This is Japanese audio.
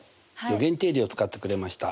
余弦定理を使ってくれました。